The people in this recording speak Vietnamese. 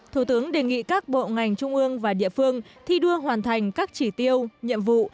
thủ tướng đề nghị các bộ ngành trung ương và địa phương thi đua hoàn thành các chỉ tiêu nhiệm vụ